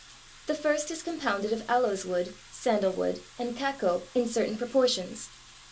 The first is compounded of aloes wood, sandal wood, and kakko, in certain proportions.